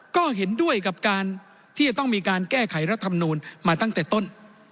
ก็เห็นด้วยกับการที่จะต้องมีการแก้ไขรัฐมนูลมาตั้งแต่ต้น